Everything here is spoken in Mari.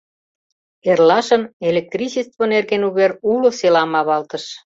Эрлашын электричество нерген увер уло селам авалтыш.